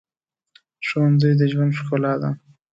ښوونځی د ژوند ښکلا ده